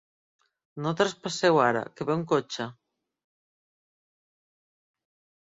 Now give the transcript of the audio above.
No traspasseu ara, que ve un cotxe.